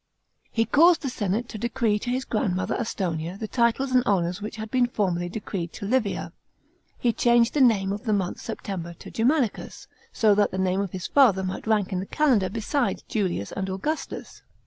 He caused the senate to decree to his grandmother Antonia the titles and honours which had been formerly decreed to Livia. He changed the name of the month September to Ger manicus, so that the name of his father might rank in the Calendar beside Julius and Augustus.